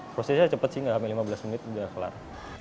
prosesnya cepat sih nggak sampai lima belas menit udah kelar